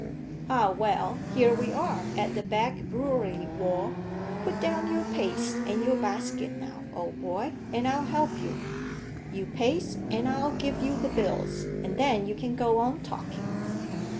"Ah! well, here we are at the Back Brewery wall. Put down your paste and your basket now, old boy, and I'll help you. You paste, and I'll give you the bills, and then you can go on talking."